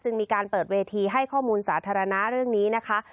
มีการเปิดเวทีให้ข้อมูลสาธารณะเรื่องนี้นะคะ